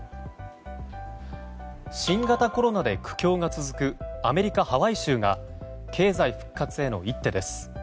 新型コロナで苦境が続くアメリカ・ハワイ州が経済復活への一手です。